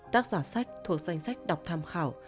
tác giả sách thuộc danh sách đọc tham khảo